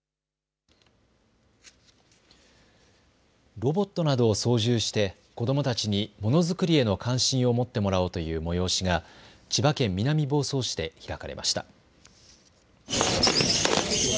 ロボットなどを操縦して子どもたちにものづくりへの関心を持ってもらおうという催しが千葉県南房総市で開かれました。